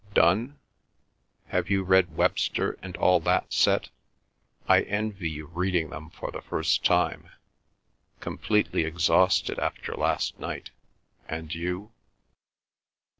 Donne? Have you read Webster and all that set? I envy you reading them for the first time. Completely exhausted after last night. And you?